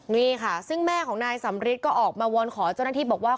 นี่ค่ะซึ่งแม่ของนายสำริทก็ออกมาวอนขอเจ้าหน้าที่บอกว่า